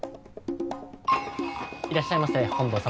・いらっしゃいませ本藤様。